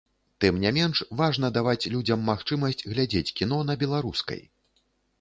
Тым не менш, важна даваць людзям магчымасць глядзець кіно на беларускай.